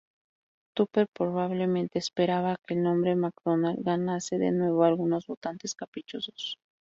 Tupper probablemente esperaba que el nombre Macdonald ganase de nuevo algunos votantes caprichosos.